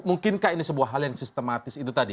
mungkinkah ini sebuah hal yang sistematis itu tadi